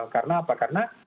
karena apa karena